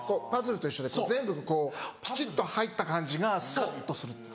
パズルと一緒で全部こうぴちっと入った感じがスカっとする。